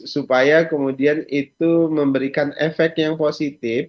supaya kemudian itu memberikan efek yang positif